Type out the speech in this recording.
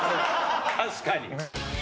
確かに。